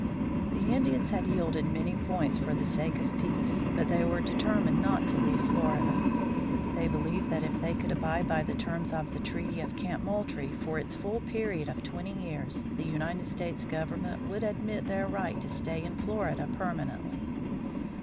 The Indians had yielded many points for the sake of peace, but they were determined not to leave Florida. They believed that if they could abide by the terms of the treaty of Camp Moultrie for its full period of twenty years the United States government would admit their right to stay in Florida permanently.